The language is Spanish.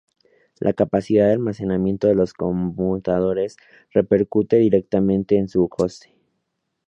La capacidad de almacenamiento de los conmutadores repercute directamente en su coste.